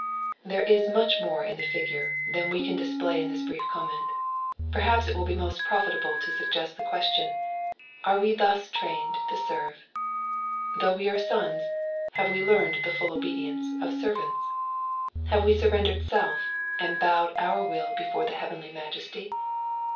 There is much more in the figure than we can display in this brief comment ; perhaps it will be most profitable to suggest the question — Are we thus trained to service ? Though we are sons, have we learned the full obedience of servants f Have we surrendered self, and bowed our will before the heavenly Majesty?